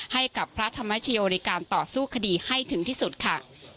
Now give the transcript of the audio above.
ให้กับพระธรรมชโยในการต่อสู้คดีให้ถึงที่สุดค่ะ